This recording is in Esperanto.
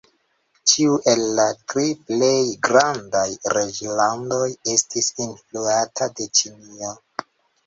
Ĉiu el la tri plej grandaj reĝlandoj estis influata de Ĉinio.